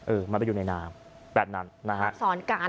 เออมันไปอยู่ในน้ำแบบนั้นนะฮะ